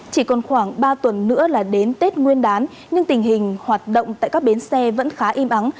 chỉ còn khoảng ba tuần nữa là đến tết nguyên đán nhưng tình hình hoạt động tại các bến xe vẫn khá im ắng